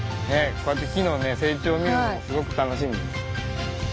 こうやって木のね成長を見るのもすごく楽しみです。